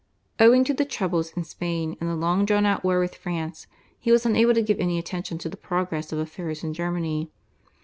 Owing to the troubles in Spain and the long drawn out war with France he was unable to give any attention to the progress of affairs in Germany.